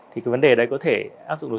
thì cái vấn đề đấy có thể áp dụng được